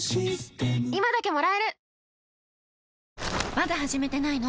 まだ始めてないの？